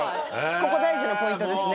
ここ大事なポイントですね